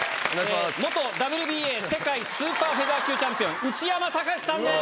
元ＷＢＡ世界スーパーフェザー級チャンピオン内山高志さんです！